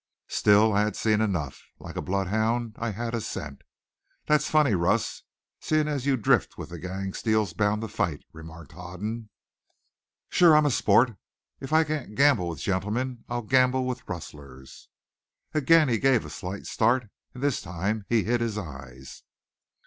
Still I had seen enough. Like a bloodhound, I had a scent. "Thet's funny, Russ, seein' as you drift with the gang Steele's bound to fight," remarked Hoden. "Sure. I'm a sport. If I can't gamble with gentlemen I'll gamble with rustlers." Again he gave a slight start, and this time he hid his eyes.